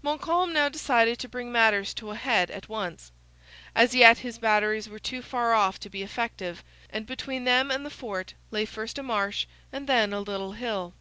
Montcalm now decided to bring matters to a head at once. As yet his batteries were too far off to be effective, and between them and the fort lay first a marsh and then a little hill.